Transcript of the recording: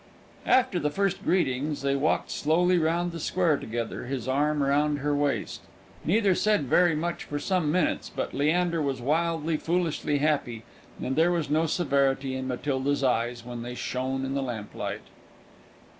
After the first greetings, they walked slowly round the square together, his arm around her waist. Neither said very much for some minutes, but Leander was wildly, foolishly happy, and there was no severity in Matilda's eyes when they shone in the lamp light.